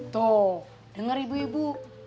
tuh denger ibu ibu